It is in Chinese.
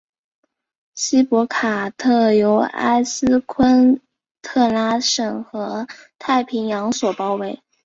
锡帕卡特由埃斯昆特拉省和太平洋所包围。